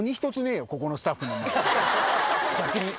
逆に。